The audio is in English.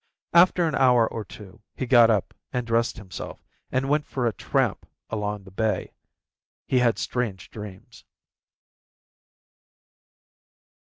After an hour or two he got up and dressed himself, and went for a tramp along the bay. He had strange dreams.